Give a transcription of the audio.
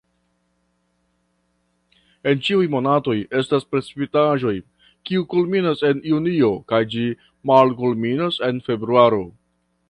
En ĉiuj monatoj estas precipitaĵoj, kiu kulminas en junio kaj ĝi malkulminas en februaro.